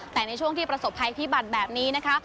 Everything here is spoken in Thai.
แต่ในช่วงที่ประสบภัยพิบัติแบบนี้นะคะ